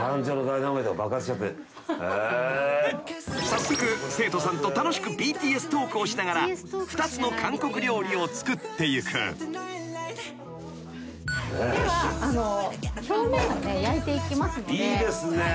［早速生徒さんと楽しくＢＴＳトークをしながら２つの韓国料理を作っていく］いいですね。